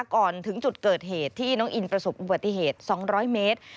ก่อนถึงจุดเกิดเหตุที่น้องอินประสบอุบัติเหตุ๒๐๐เมตร